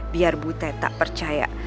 biar bu teh tak percaya